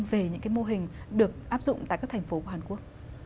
về những mô hình được áp dụng tại các thành phố của hàn quốc